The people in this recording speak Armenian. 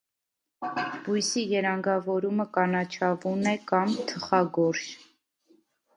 Բույսի երանգավորումը կանաչավուն է կամ թխագորշ։